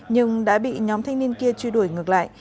nhưng đã bị nhóm thanh niên kia truy đuổi ngược lại